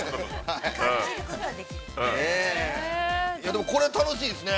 でも、これ楽しいですね。